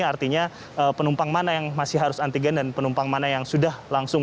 artinya penumpang mana yang masih harus antigen dan penumpang mana yang sudah langsung